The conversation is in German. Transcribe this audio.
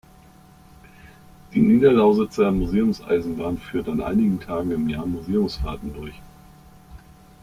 Die Niederlausitzer Museumseisenbahn führt an einigen Tagen im Jahr Museumsfahrten durch.